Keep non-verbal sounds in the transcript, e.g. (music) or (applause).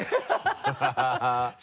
ハハハ (laughs)